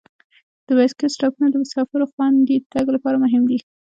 د بایسکل سټاپونه د مسافرو خوندي تګ لپاره مهم دي.